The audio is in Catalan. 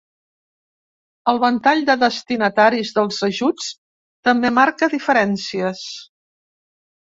El ventall de destinataris dels ajuts també marca diferències.